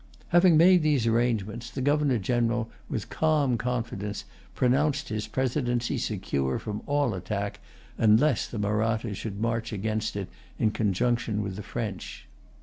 Having made these arrangements, the Governor General with calm confidence pronounced his presidency secure from all attack, unless the Mahrattas should march against it in conjunction with the French.